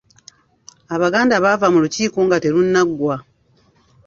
Abaganda baava mu lukiiko nga terunnaggwa.